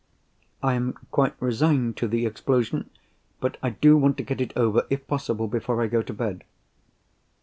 I am quite resigned to the explosion—but I do want to get it over, if possible, before I go to bed."